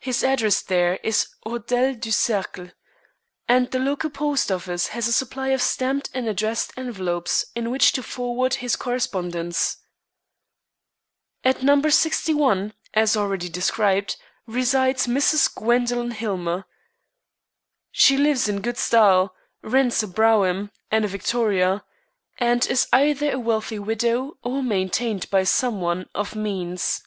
His address there is 'Hotel du Cercle,' and the local post office has a supply of stamped and addressed envelopes in which to forward his correspondence. "At No. 61, as already described, resides Mrs. Gwendoline Hillmer. She lives in good style, rents a brougham and a victoria, and is either a wealthy widow or maintained by some one of means.